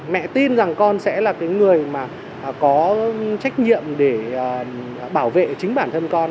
mẹ tin rằng con sẽ là cái người mà có trách nhiệm để bảo vệ chính bản thân con